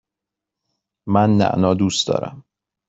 من نعنا دوست دارم.